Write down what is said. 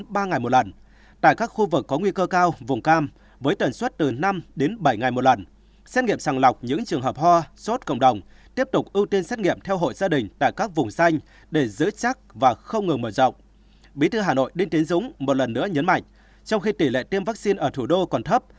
bí thư hà nội đinh tiến dũng một lần nữa nhấn mạnh trong khi tỷ lệ tiêm vaccine ở thủ đô còn thấp